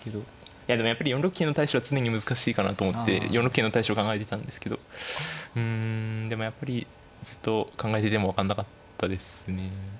いやでもやっぱり４六桂の対処は常に難しいかなと思って４六桂の対処を考えていたんですけどうんでもやっぱりずっと考えてても分かんなかったですね。